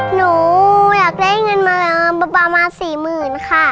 หนูอยากได้เงินมาประมาณ๔๐๐๐ค่ะ